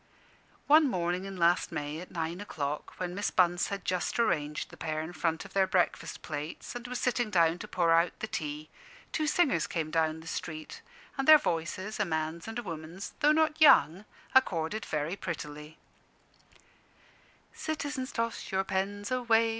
One morning in last May, at nine o'clock, when Miss Bunce had just arranged the pair in front of their breakfast plates, and was sitting down to pour out the tea, two singers came down the street, and their voices a man's and a woman's though not young, accorded very prettily: "Citizens, toss your pens away!